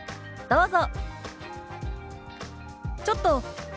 どうぞ。